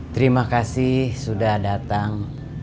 terima kasih sudah datang